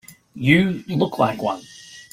You look like one.